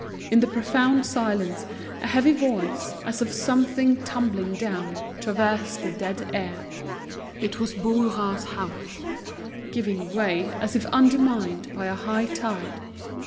In the profound silence, a heavy voice, as of something tumbling down, traversed the dead air; it was Bourras's house giving way, as if undermined by a high tide.